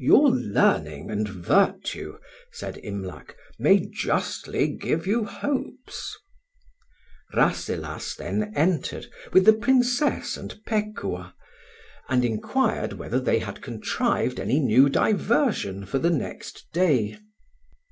"Your learning and virtue," said Imlac, "may justly give you hopes." Rasselas then entered, with the Princess and Pekuah, and inquired whether they had contrived any new diversion for the next day.